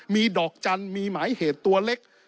มีดอกจันทร์มีหมายเหตุตัวเล็ก